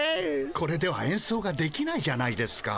これではえんそうができないじゃないですか。